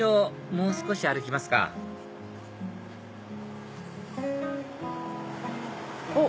もう少し歩きますかおっ！